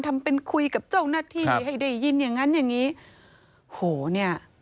ทำเป็นคุยกับเจ้าหน้าที่ให้ได้ยินอย่างงั้นอย่างงี้โหเนี่ย